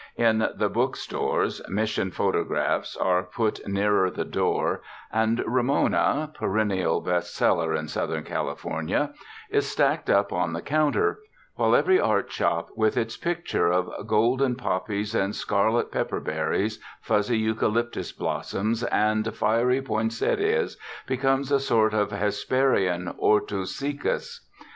In the book stores, Mission photographs are put nearer the 200 TOURIST TOWNS door, and '^Rainona" — perennial best seller in Southern California — is stacked up on the counter; while every art shop with its picture of golden pop pies and scarlet pepper berries, fuzzy eucalyptus blossoms and fiery poinsettias, becomes a sort of Hesperian hortus siccus.